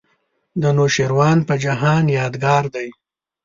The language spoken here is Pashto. د نوشیروان په جهان یادګار دی.